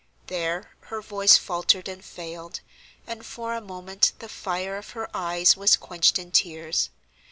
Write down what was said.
There her voice faltered and failed, and for a moment the fire of her eyes was quenched in tears.